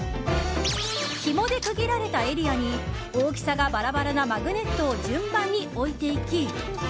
ひもで区切られたエリアに大きさがバラバラなマグネットを順番に置いていき